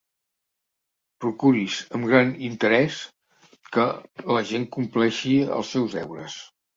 Procuris amb gran interès que la gent compleixi els seus deures.